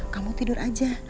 kamu tidur aja